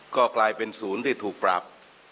ก็กลายเป็นศูนย์ที่ถูกปรับ